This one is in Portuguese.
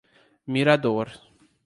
Mirador